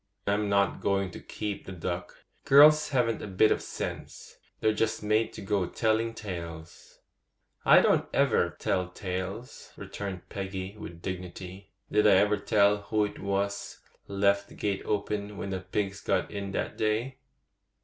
I'm not going to keep the duck. Girls haven't a bit of sense; they're just made to go telling tales.' 'I don't ever tell tales,' returned Peggy, with dignity. 'Did I ever tell who it was left the gate open when the pigs got in that day?